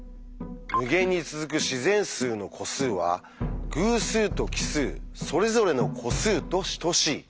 「無限に続く自然数の個数は偶数と奇数それぞれの個数と等しい」。